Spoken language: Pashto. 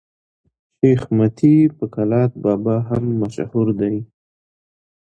شېخ متي په کلات بابا هم مشهور دئ.